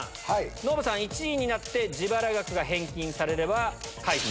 ノブさん１位になって自腹額が返金されれば回避。